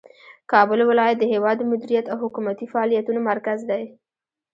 کابل ولایت د هیواد د مدیریت او حکومتي فعالیتونو مرکز دی.